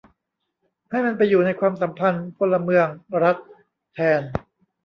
ให้มันไปอยู่ในความสัมพันธ์พลเมือง-รัฐ แทน